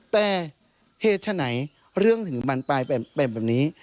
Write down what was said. แต่เหตุไฉนเรื่องถึงบรรปรายแบบนี้